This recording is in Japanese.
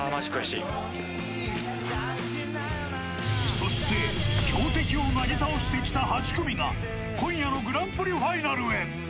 そして強敵をなぎ倒してきた８組が今夜のグランプリファイナルへ。